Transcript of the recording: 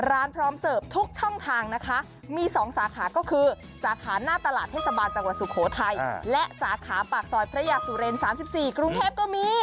พร้อมเสิร์ฟทุกช่องทางนะคะมี๒สาขาก็คือสาขาหน้าตลาดเทศบาลจังหวัดสุโขทัยและสาขาปากซอยพระยาสุเรน๓๔กรุงเทพก็มี